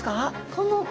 この子。